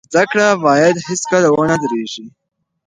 زده کړه باید هیڅکله ونه دریږي.